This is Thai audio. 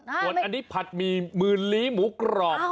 อันนี้ผัดมีหมื่นลิหมูกรอบ